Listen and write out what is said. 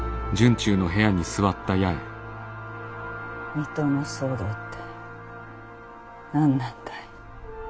水戸の騒動って何なんだい？